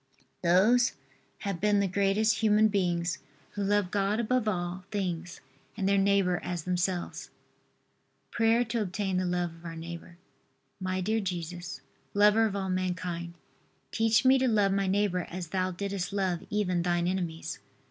Those have been the greatest human beings who loved God above all things and their neighbor as themselves. PRAYER TO OBTAIN THE LOVE OF OUR NEIGHBOR. My dear Jesus, lover of all mankind, teach me to love my neighbor as Thou didst love even Thine enemies.